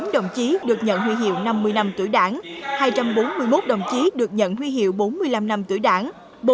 hai trăm sáu mươi bốn đồng chí được nhận huy hiệu năm mươi năm tuổi đảng hai trăm bốn mươi một đồng chí được nhận huy hiệu bốn mươi năm năm tuổi đảng